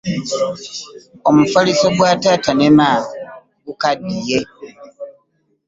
Omufaliso gwa taata ne maama gukaddiye.